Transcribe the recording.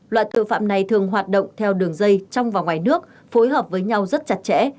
loại tội phạm này thường hoạt động theo đường dây trong và ngoài nước phối hợp với nhau rất chặt chẽ